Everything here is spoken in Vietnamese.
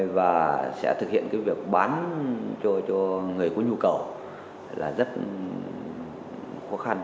và sẽ thực hiện việc bán cho người có nhu cầu là rất khó khăn